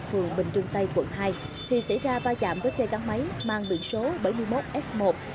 phường bình trung tây quận hai thì xảy ra vai chạm với xe cán máy mang biện số bảy mươi một s một mươi bốn nghìn bảy trăm năm mươi bảy